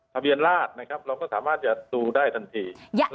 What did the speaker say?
ทะเบียนราชนะครับเราก็สามารถจะดูได้ทันที